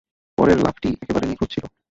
পরের লাফটি একেবারে নিখুঁত ছিলো!